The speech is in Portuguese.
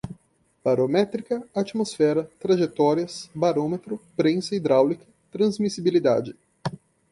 barométrica, atmosfera, trajetórias, barômetro, prensa hidráulica, transmissibilidade